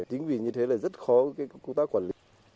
chính vì như thế là rất khó của chúng ta quản lý